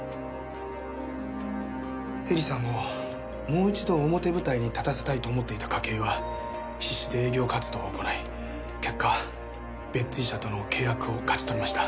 絵里さんをもう一度表舞台に立たせたいと思っていた筧は必死で営業活動を行い結果ベッツィー社との契約を勝ち取りました。